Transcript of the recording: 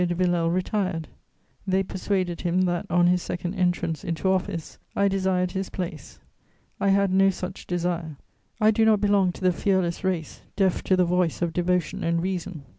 de Villèle retired. They persuaded him that, on his second entrance into office, I desired his place. I had no such desire. I do not belong to the fearless race, deaf to the voice of devotion and reason.